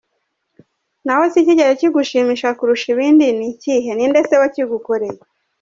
Naho se icyigeze kugushyimisha kurusha ibindi ni igiki ? Ese ni nde wakigukoreye ?.